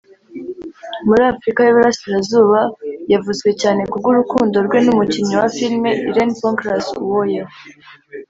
muri Afurika y’Uburasirazuba yavuzwe cyane ku bw’urukundo rwe n’umukinnyi wa filime Irene Pancras Uwoya